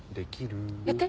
やって。